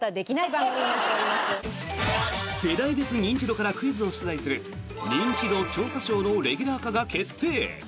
世代別認知度からクイズを出題する「ニンチド調査ショー」のレギュラー化が決定！